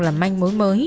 làm manh mối mới